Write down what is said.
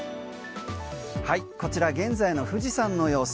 こちら現在の富士山の様子